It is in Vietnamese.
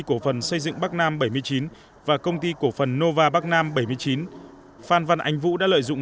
cổ phần xây dựng bắc nam bảy mươi chín và công ty cổ phần nova bắc nam bảy mươi chín phan văn ánh vũ đã lợi dụng